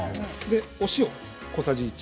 お塩も小さじ１。